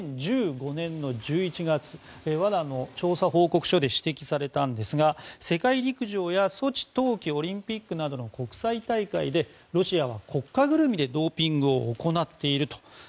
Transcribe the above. ２０１５年の１１月ＷＡＤＡの調査報告書で指摘されたんですが世界陸上やソチ冬季オリンピックなどの国際大会でロシアは国家ぐるみでドーピングを行っていると。